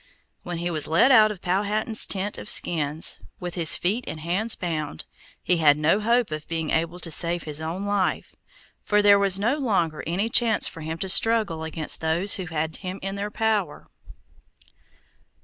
When he was led out of Powhatan's tent of skins, with his feet and hands bound, he had no hope of being able to save his own life, for there was no longer any chance for him to struggle against those who had him in their power.